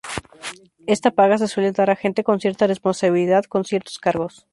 Esta paga se suele dar a gente con cierta responsabilidad, con ciertos cargos.